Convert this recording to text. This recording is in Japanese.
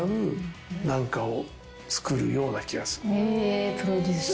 へぇプロデュース。